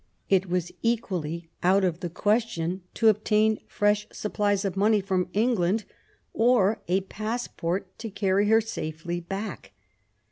It was equally out of the question to obtain firesh supplies of money from England or a passport to carry her safely back.